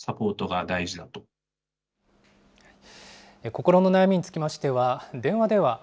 心の悩みにつきましては、電話では＃